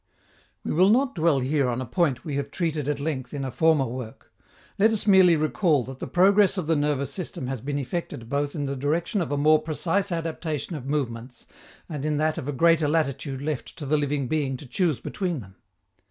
We will not dwell here on a point we have treated at length in a former work. Let us merely recall that the progress of the nervous system has been effected both in the direction of a more precise adaptation of movements and in that of a greater latitude left to the living being to choose between them.